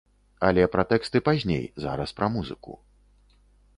Але пра тэксты пазней, зараз пра музыку.